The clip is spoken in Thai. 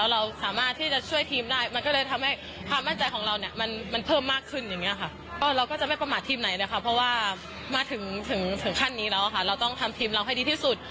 เราก็จะไม่ประมาททีมไหนนะคะเพราะว่ามาถึงถึงถึงขั้นนี้แล้วค่ะเราต้องทำทีมเราให้ดีที่สุด